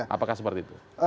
apakah seperti itu